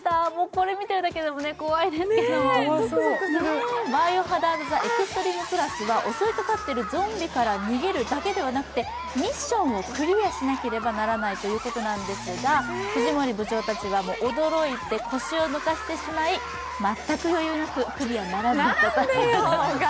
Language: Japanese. これ見てるだけでも怖いですけど、「バイオハザード・ザ・エクストリーム＋」は襲いかかっているゾンビから逃げるだけではなくてミッションをクリアしなければならないということなんですが、藤森部長たちは驚いて腰を抜かしてしまい全く余裕なくクリアならずだったんですが。